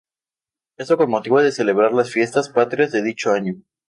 Esto con motivo de celebrar las fiestas patrias de dicho año.